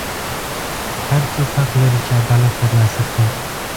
هر څوک حق لري چې عدالت ترلاسه کړي.